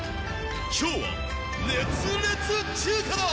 今日は熱烈中華だ。